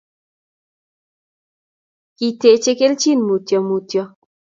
kiteche kelchin mutyo mutyo